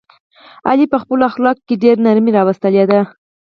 علي په خپلو اخلاقو کې ډېره نرمي راوستلې ده.